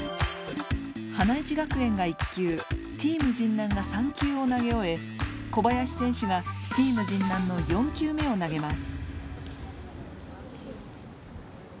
花一学園が１球Ｔｅａｍ神南が３球を投げ終え小林選手がＴｅａｍ神南の４球目を投げます。